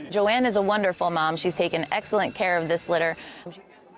joanne adalah ibu yang menakjubkan dia menjaga kebun ini dengan baik